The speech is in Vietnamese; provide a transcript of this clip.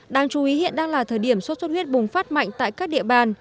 đáng chú ý hiện đang là thời điểm sốt xuất huyết bùng phát mạnh tại các địa bàn